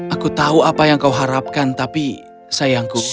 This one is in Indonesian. aku tahu apa yang kau harapkan tapi sayangku